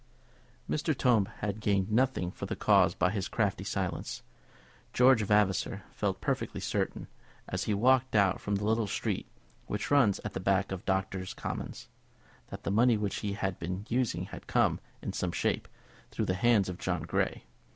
Mr. Tombe had gained nothing for the cause by his crafty silence. George Vavasor felt perfectly certain, as he walked out from the little street which runs at the back of Doctors' Commons, that the money which he had been using had come, in some shape, through the hands of John Grey.